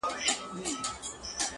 پلار ویل زویه ته دا و وایه بل چا ته,